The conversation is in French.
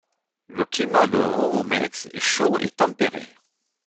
Le climat de Remomeix est chaud et tempéré.